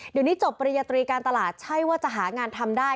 เดี๋ยวนี้จบปริญญาตรีการตลาดใช่ว่าจะหางานทำได้